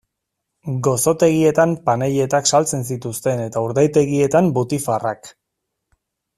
Gozotegietan panelletak saltzen zituzten eta urdaitegietan butifarrak.